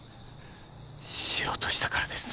しようとしたからです